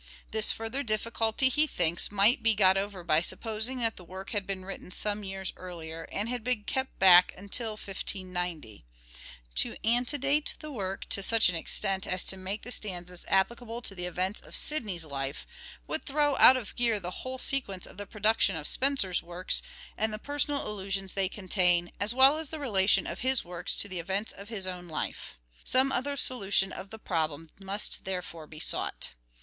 This further difficulty, he thinks, might be got over by supposing that the work had been written some years earlier and had been kept back until 1590. To ante date the work to such an extent as to make the stanzas applicable to the events of Sidney's life would throw out of gear the whole sequence of the production of Spenser's works and the personal allusions they contain, as well as the relation of his works to the events of his own life. MANHOOD OF DE VERE : MIDDLE PERIOD 341 Some other solution of the problem must therefore be sought.